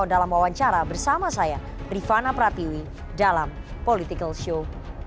dalam wawancara bersama saya rifana pratiwi dalam political show